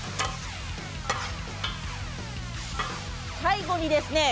最後にですね